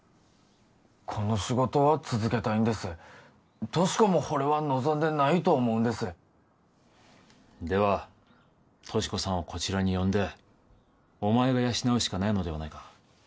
この仕事は続けたいんです俊子もほれは望んでないと思うんですでは俊子さんをこちらに呼んでお前が養うしかないのではないか？